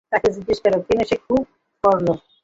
তাকে জিজ্ঞেস করো, কেন সে খুন করল?